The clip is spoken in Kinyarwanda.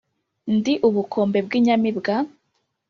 Ndi ubukombe bw’ inyamibwa,